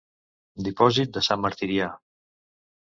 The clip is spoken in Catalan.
Dipòsit de Sant Martirià.